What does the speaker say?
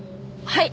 はい！